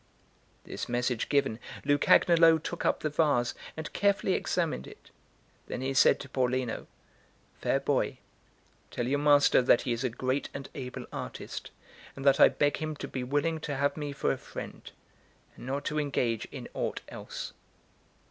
This message given, Lucagnolo took up the vase, and carefully examined it; then he said to Paulino: "Fair boy, tell your master that he is a great and able artist, and that I beg him to be willing to have me for a friend, and not to engage in aught else."